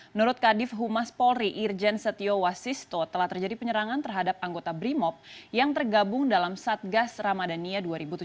menurut kadif humas polri irjen setio wasisto telah terjadi penyerangan terhadap anggota brimob yang tergabung dalam satgas ramadhania dua ribu tujuh belas